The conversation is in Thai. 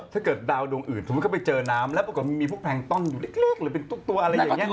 ถ้าเกิดดาวดวงอื่นถ้าเขาไปเจอน้ำแล้วก็มีพวกแทงตอนอยู่ลิกหรือเป็นทุกตัวอะไรอย่างเงี้ย